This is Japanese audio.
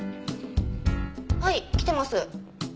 はい来てます。